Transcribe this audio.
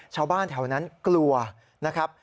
ชาวบ้านแถวนั้นกลัวนะครับ